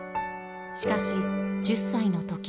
しかし、１０歳のとき。